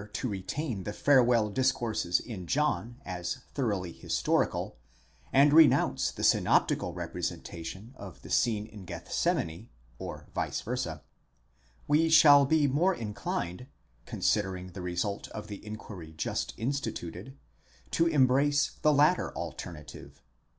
647 to retain the farewell discourses in John as thoroughly historical, and re nounce the synoptical representation of the scene in Gethsemane, or vice versa: we shall be more inclined, considering the result of the inquiry just instituted, to embrace the latter alternative.